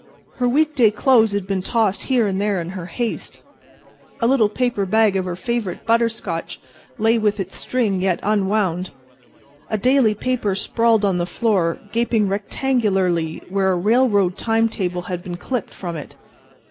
Her week day clothes had been tossed here and there in her haste. A little paper bag of her favorite butter scotch lay with its string yet unwound. A daily paper sprawled on the floor, gaping rectangularly where a railroad time table had been clipped from it.